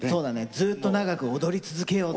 ずっと長く踊り続けようぜ。